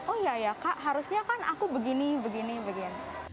oh iya ya kak harusnya kan aku begini begini begini